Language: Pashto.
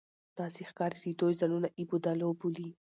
داسې ښکاري چې دوی ځانونه اېبودالو بولي